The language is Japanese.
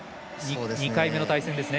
２回目の対戦ですね。